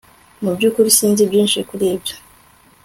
Mu byukuri sinzi byinshi kuri ibyo